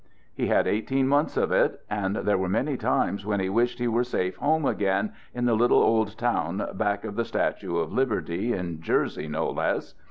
He had eighteen months of it, and there were many times when he wished he were safe home again, in the little old town back of the Statue of Liberty, in Jersey no less.